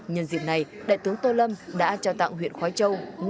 nhân dịp này đại tướng tô lâm đã trao tặng huyện khói châu năm mươi bộ máy tính